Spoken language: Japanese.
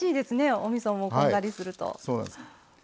おみそもこんがりすると。